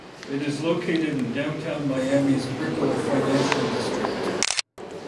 It is located in Downtown Miami's Brickell Financial District.